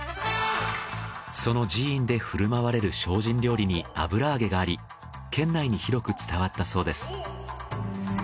その寺院で振る舞われる精進料理に油揚げがあり県内に広く伝わったそうです。